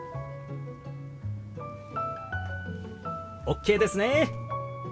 ＯＫですね！